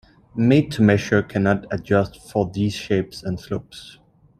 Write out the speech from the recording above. Made-to-measure cannot adjust for these shapes and slopes.